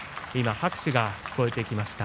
今、拍手が聞こえてきました。